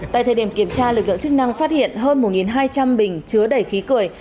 tại thời điểm kiểm tra lực lượng chức năng phát hiện hơn một hai trăm linh bình chứa đầy khí cười